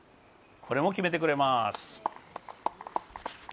これも決めてくれます。